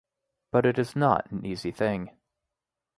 But it is not an easy thing.